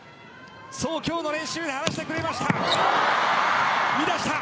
そう、今日の練習で話してくれました。